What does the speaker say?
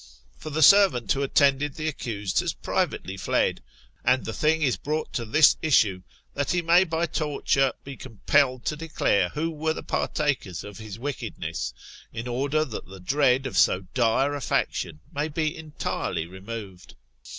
For the servant who attended the accused has privately fled; and the thing is brought to this issue, that he may by torture be compelled to declare who were the partakers of his wickedness, in order that the dread of so dire a faction may be entirely removed."